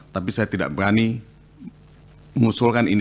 tapi saya tidak berani mengusulkan ini